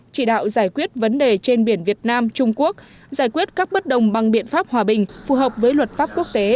chỉ đạo giải quyết vấn đề trên biển việt nam trung quốc giải quyết các bất đồng bằng biện pháp hòa bình phù hợp với luật pháp quốc tế